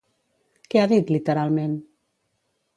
Què ha dit, literalment?